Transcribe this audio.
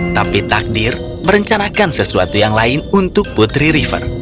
tapi takdir merencanakan sesuatu yang lain untuk putri river